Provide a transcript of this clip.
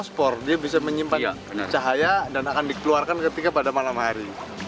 kau mau sport dia bisa menyimpan cahaya dan akan dikeluarkan ketika pada malam hari